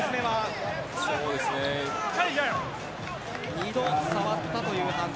２度触ったという判定。